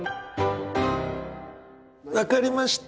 分かりました。